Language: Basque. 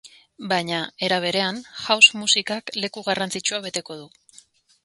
Baina, era berean, house musikak leku garrantzitsua beteko du.